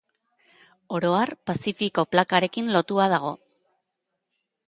Oro har, Pazifiko Plakarekin lotua dago.